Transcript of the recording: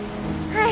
はい。